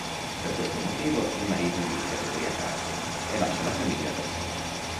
Per questo motivo il marito inizia ad ubriacarsi e lascia la famiglia per sempre.